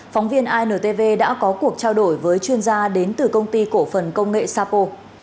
phóng viên intv đã có cuộc trao đổi với chuyên gia đến từ công ty cổ phần công nghệ sapo